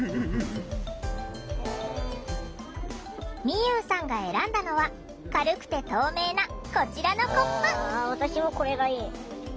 みゆうさんが選んだのは軽くて透明なこちらのコップ。